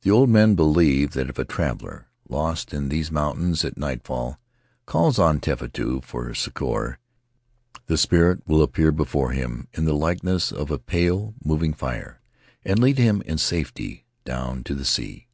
The old men believe that if a traveler, lost in these mountains at nightfall, calls on Tefatu for succor, the spirit will appear before him in the likeness of a pale, moving fire, and lead him in safety down to the sea.